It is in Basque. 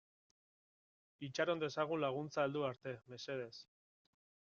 Itxaron dezagun laguntza heldu arte, mesedez.